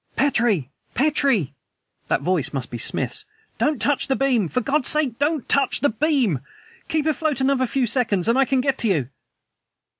"Petrie! Petrie!" (That voice must be Smith's!) "Don't touch the beam! For God's sake DON'T TOUCH THE BEAM! Keep afloat another few seconds and I can get to you!"